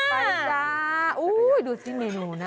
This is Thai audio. ไปจ้าดูสิเมนูนะ